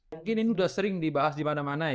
mungkin ini sudah sering dibahas di mana mana ya